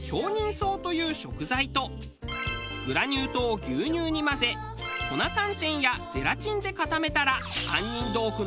霜という食材とグラニュー糖を牛乳に混ぜ粉寒天やゼラチンで固めたら。